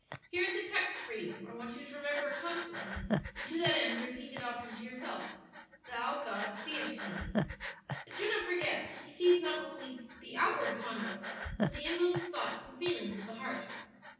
Here is a text for you; I want you to remember it constantly; and to that end repeat it often to yourself, 'Thou, God, seest me.' "And do not forget that He sees not only the outward conduct but the inmost thoughts and feelings of the heart."